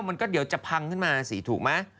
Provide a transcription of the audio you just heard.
มันก็เดี๋ยวจะพังขึ้นมาสิถูกไหม